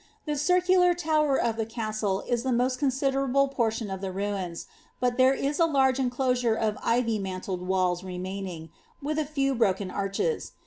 The circular tower of the castle is the most considerable portion of the ruins ; but there is a large enclosure of ivy mantled walls remaining, with a few broken arches.